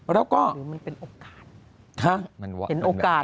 แล้วก็หรือมันเป็นโอกาส